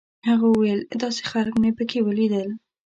هغه ویل داسې خلک مې په کې ولیدل.